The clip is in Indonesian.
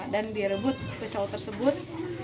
dan direbut pisau tersebut